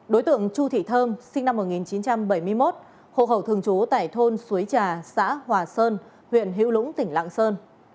đối tượng chu thị thơm sinh năm một nghìn chín trăm bảy mươi một hộ khẩu thường trú tại thôn suối trà xã hòa sơn huyện hữu lũng tỉnh lạng sơn